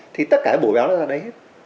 thì tất cả bổ béo nó ra đây hết